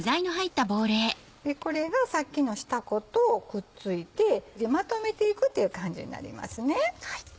これがさっきの下粉とくっついてまとめていくという感じになりますね。